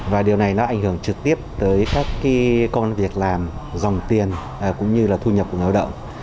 và điều này nó ảnh hưởng trực tiếp tới các công việc làm dòng tiền cũng như là thu nhập của người lao động